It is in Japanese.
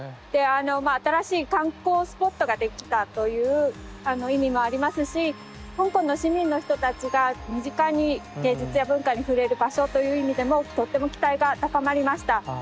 であのまあ新しい観光スポットが出来たという意味もありますし香港の市民の人たちが身近に芸術や文化に触れる場所という意味でもとっても期待が高まりました。